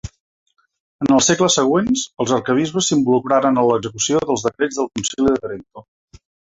En els segles següents els arquebisbes s'involucraren en l'execució dels decrets del Concili de Trento.